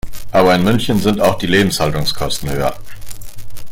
Aber in München sind auch die Lebenshaltungskosten höher.